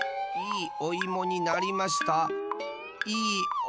いいおいもになりました。